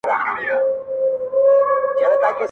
پلار چوپتيا کي عذاب وړي تل